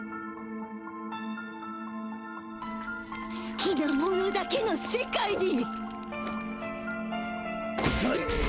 好きなものだけの世界に